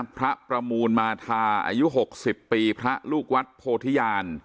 พระประมูลมาทาอายุ๖๐ปีพระลูกวัดโภทยาน